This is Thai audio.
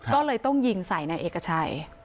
ก็เลยต้องยิงใส่นายเอกชัย